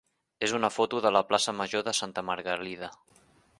és una foto de la plaça major de Santa Margalida.